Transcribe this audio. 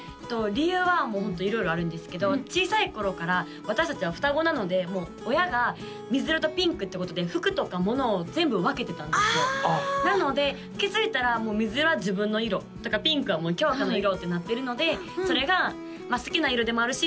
理由はホント色々あるんですけど小さい頃から私達は双子なのでもう親が水色とピンクってことで服とかものを全部分けてたんですよなので気づいたらもう水色は自分の色ピンクはもうきょうかの色ってなってるのでそれが好きな色でもあるし